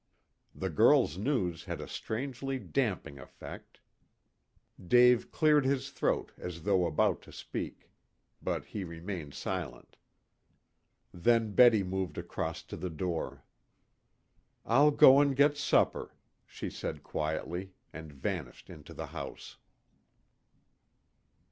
The girl's news had a strangely damping effect. Dave cleared his throat as though about to speak. But he remained silent. Then Betty moved across to the door. "I'll go and get supper," she said quietly, and vanished into the house.